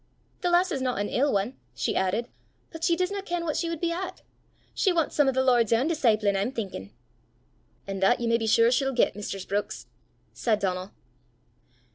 "The lass is no an ill ane," she added: "but she disna ken what she wud be at. She wants some o' the Lord's ain discipleen, I'm thinkin!" "An' that ye may be sure she'll get, mistress Brookes!" said Donal.